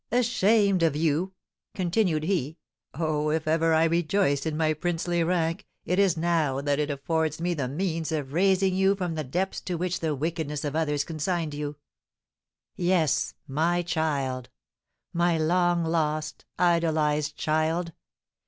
"Ashamed of you!" continued he. "Oh, if ever I rejoiced in my princely rank it is now that it affords me the means of raising you from the depths to which the wickedness of others consigned you. Yes, my child! My long lost, idolised child!